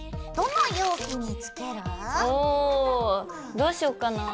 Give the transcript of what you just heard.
どうしよっかな？